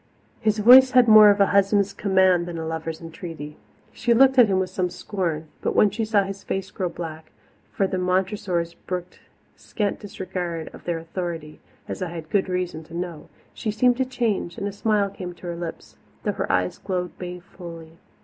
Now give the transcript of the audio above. His voice had more of a husband's command than a lover's entreaty. She looked at him with some scorn, but when she saw his face grow black for the Montressors brooked scant disregard of their authority, as I had good reason to know she seemed to change, and a smile came to her lips, though her eyes glowed balefully.